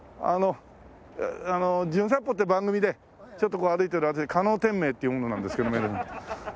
あの『じゅん散歩』って番組でちょっとこう歩いてる私加納典明っていう者なんですけども。